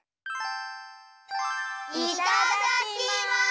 いただきます！